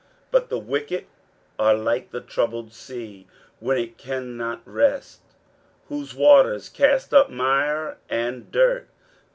23:057:020 But the wicked are like the troubled sea, when it cannot rest, whose waters cast up mire and dirt.